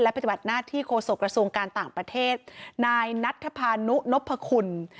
ปฏิบัติหน้าที่โฆษกระทรวงการต่างประเทศนายนัทภานุนพคุณ